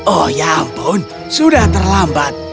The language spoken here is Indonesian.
oh ya ampun sudah terlambat